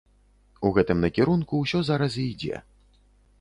У гэтым накірунку ўсё зараз і ідзе.